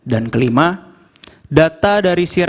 dan kelima data dari sirekap